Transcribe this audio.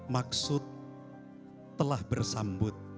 maksud telah bersambut